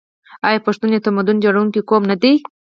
آیا پښتون یو تمدن جوړونکی قوم نه دی؟